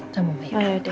sama mama yaudah